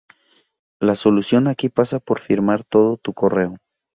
La solución aquí pasa por firmar todo tu correo.